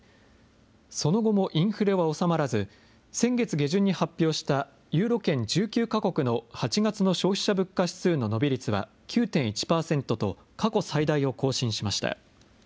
その後もインフレは収まらず、先月下旬に発表したユーロ圏１９か国の８月の消費者物価指数の伸び率は９．１％と、過去最大を更新しました。